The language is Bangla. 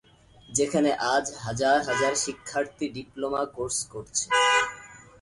যেখানে আজ হাজার হাজার শিক্ষার্থী ডিপ্লোমা কোর্স করছে।